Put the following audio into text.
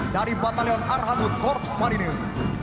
dari batalion arhanud korps marinir